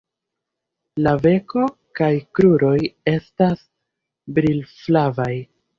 La beko kaj kruroj estas brilflavaj.